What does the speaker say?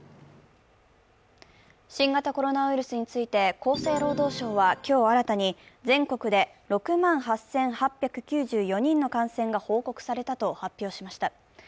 新型コロナウイルスについて、厚生労働省は今日新たに、全国で６万８８９４人の感染が報告されたと発表しました。